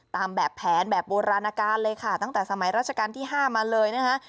ตามแบบแผนแบบโบราณการเลยค่ะตั้งแต่สมัยราชการที่๕มาเลยนะคะ